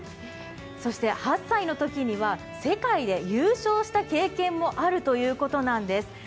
そして８歳のときには世界で優勝した経験もあるということなんです。